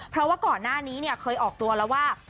เพราะว่าก่อนหน้านี้เนี่ยเคยออกตัวแล้วว่า